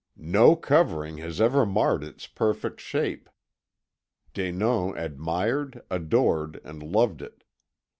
No covering has ever marred its perfect shape.' Denon admired, adored, and loved it.